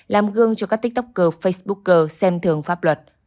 làm gương cho các tiktoker facebooker xem thường pháp luật